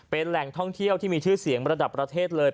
เป็นแหล่งท่องเที่ยวที่มีชื่อเสียงระดับประเทศเลย